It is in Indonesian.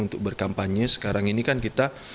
untuk berkampanye sekarang ini kan kita